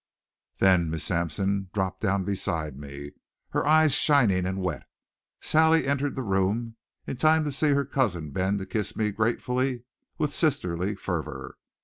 Then, as Miss Sampson dropped down beside me, her eyes shining and wet, Sally entered the room in time to see her cousin bend to kiss me gratefully with sisterly fervor.